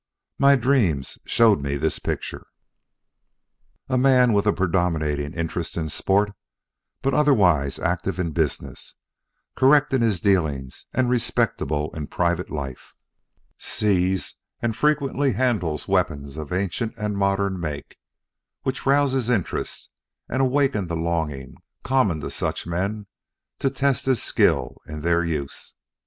My dreams showed me this picture: "A man with a predominating interest in sport, but otherwise active in business, correct in his dealings and respectable in private life, sees and frequently handles weapons of ancient and modern make which rouse his interest and awaken the longing, common to such men, to test his skill in their use.